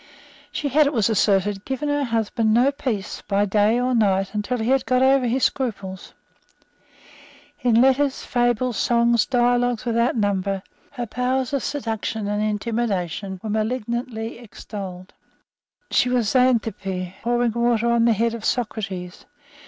She had, it was asserted, given her husband no peace by day or by night till he had got over his scruples. In letters, fables, songs, dialogues without number, her powers of seduction and intimidation were malignantly extolled. She was Xanthippe pouring water on the head of Socrates.